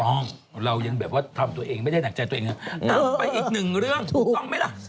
เรายังแบบว่าทำตัวเองไม่ได้หนักใจตัวเองนะไปอีกหนึ่งเรื่องถูกต้องไหมล่ะ